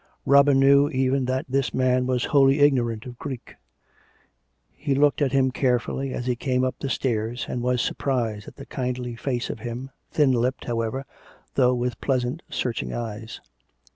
Robin knew even that this man was wholly ignorant of Greek; he looked at him carefully as he came up the stairs, and was surprised at the kindly face of him, thin lipped, however, though with pleasant, searching eyes.